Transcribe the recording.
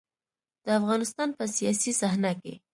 د افغانستان په سياسي صحنه کې.